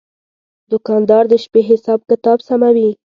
دوکاندار د شپې حساب کتاب سموي.